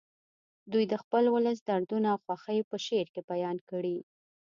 دوی د خپل ولس دردونه او خوښۍ په شعر کې بیان کړي